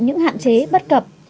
những hạn chế bất cập